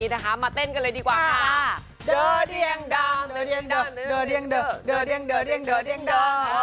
นะคะมาเต้นกันเลยดีกว่าค่ะ